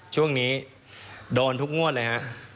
ช่วงนี้โดนทุกงวดเลยฮะ